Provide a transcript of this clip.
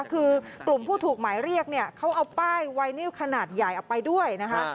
คือกลุ่มผู้ถูกหมายเรียกเนี่ยเขาเอาป้ายไวนิวขนาดใหญ่ออกไปด้วยนะคะ